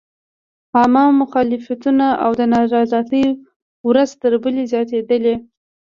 عامه مخالفتونه او نارضایتۍ ورځ تر بلې زیاتېدلې.